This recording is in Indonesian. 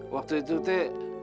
waktu itu tuh